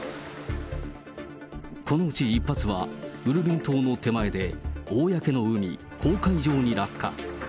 このうち１発は、ウルルン島の手前で公の海・公海上に落下。